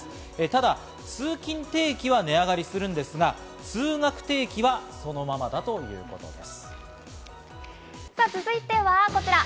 ただ通勤定期は値上がりするんですが、通学定期はそのままだとい続いてはこちら。